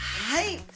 はい。